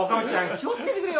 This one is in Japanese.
気を付けてくれよ